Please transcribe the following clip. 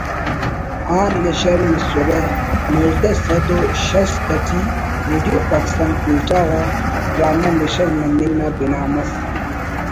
آن نشر مسرہ نوزدہ سد و شست ٹی ریڈیو پاکستان کوئٹہ غا ڈرامہ نشر مننگ نا بنا مس